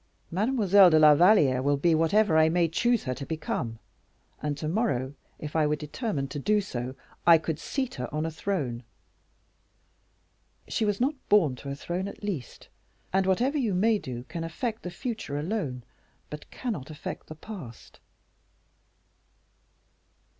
Mademoiselle de la Valliere will be whatever I may choose her to become; and to morrow, if I were determined to do so, I could seat her on a throne." "She was not born to a throne, at least, and whatever you may do can affect the future alone, but cannot affect the past."